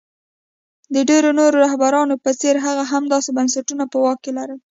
د ډېرو نورو رهبرانو په څېر هغه هم داسې بنسټونه په واک کې لرل.